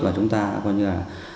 và chúng ta coi như là